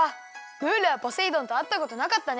ム―ルはポセイ丼とあったことなかったね！